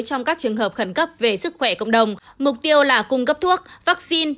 trong các trường hợp khẩn cấp về sức khỏe cộng đồng mục tiêu là cung cấp thuốc vaccine